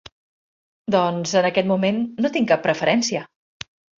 Doncs, en aquest moment, no tinc cap preferència.